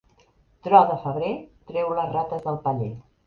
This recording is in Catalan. Tro de febrer, treu les rates del paller.